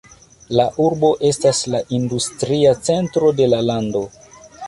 La urbo estas la industria centro de la lando.